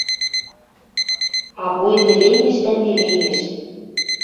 А бой нелемеш дӓ нелемеш.